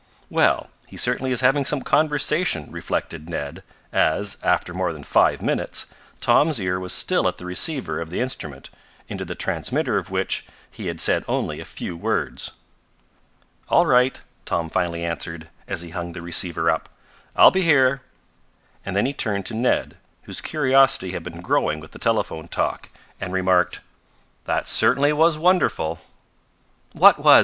"Well, he certainly is having some conversation," reflected Ned, as, after more than five minutes, Tom's ear was still at the receiver of the instrument, into the transmitter of which he had said only a few words. "All right," Tom finally answered, as he hung the receiver up, "I'll be here," and then he turned to Ned, whose curiosity had been growing with the telephone talk, and remarked: "That certainly was wonderful!" "What was?"